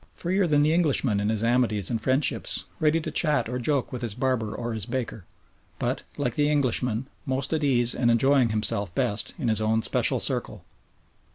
Freer than the Englishman in his amities and friendships, ready to chat or joke with his barber or his baker, but, like the Englishman, most at ease and enjoying himself best in his own special circle.